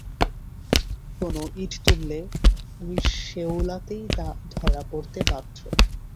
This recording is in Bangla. কোনো ইট তুললে, ওই শ্যাওলাতেই তা ধরা পড়তে বাধ্য।